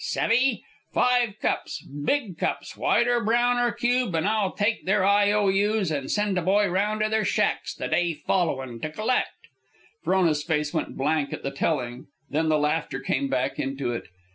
Savve? Five cups, big cups, white, or brown, or cube, an' I'll take their IOU's, an' send a boy round to their shacks the day followin' to collect." Frona's face went blank at the telling, then the laughter came back into it.